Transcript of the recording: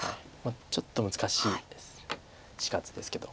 ちょっと難しい死活ですけど。